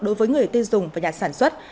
đối với người tiên dùng và nhà sản xuất